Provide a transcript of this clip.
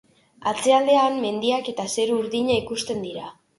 Atzealdean, mendiak eta zeru urdina ikusten dira.